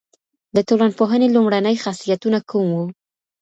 د ټولنپوهنې لومړني خاصيتونه کوم وو؟